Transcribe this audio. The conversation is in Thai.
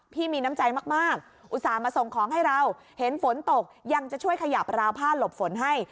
พี่มีน้ำใจมากอุตส่าห์มาส่งของให้เราเห็นฝนตกยังจะช่วยขยับราวผ้าหลบฝนให้